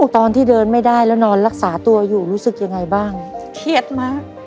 ตอนที่เดินไม่ได้แล้วนอนรักษาตัวอยู่รู้สึกยังไงบ้างเครียดมาก